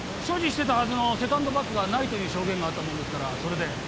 所持してたはずのセカンドバッグがないという証言があったものですからそれで。